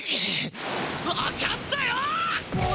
わかったよ！